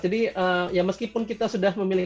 jadi ya meskipun kita sudah memilih